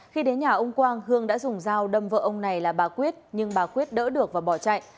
khi đến nhà ông quang hương đã dùng dao đâm vợ ông này là bà quyết nhưng bà quyết đỡ được và bỏ chạy